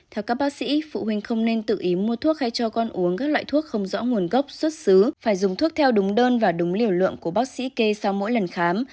theo các bác sĩ phụ huynh không nên tự ý mua thuốc hay cho con uống các loại thuốc không rõ nguồn gốc xuất xứ phải dùng thuốc theo đúng đơn và đúng liều lượng của bác sĩ kê sau mỗi lần khám